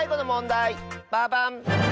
ババン！